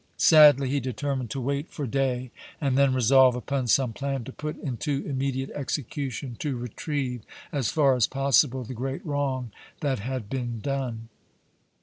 Sadly he determined to wait for day and then resolve upon some plan to put into immediate execution to retrieve, as far as possible the great wrong that had been done.